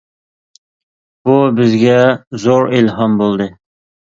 بۇ بىزگە زور ئىلھام بولدى.